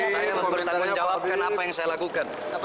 saya bertanggungjawabkan apa yang saya lakukan